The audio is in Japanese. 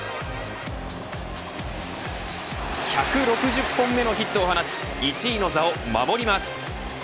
１６０本目のヒットを放ち１位の座を守ります。